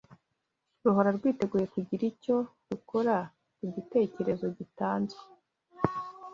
ruhora rwiteguye kugira icyo rukora ku gitekerezo gitanzwe.